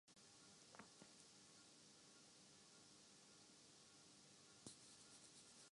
واقعہ یہ ہے کہ لوگوں کے اپنے اپنے ذہنی سانچے ہیں۔